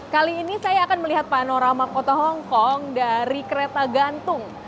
kali ini saya akan melihat panorama kota hongkong dari kereta gantung